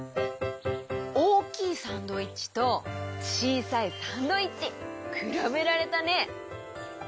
おおきいサンドイッチとちいさいサンドイッチ！くらべられたね！